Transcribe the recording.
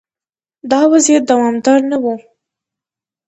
دا وضعیت دوامدار نه و.